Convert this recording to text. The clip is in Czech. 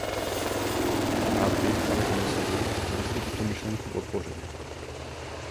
Rád bych, pane komisaři, abyste tuto myšlenku podpořil.